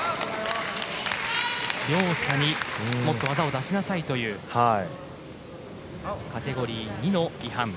両者にもっと技を出しなさいというカテゴリー２の違反。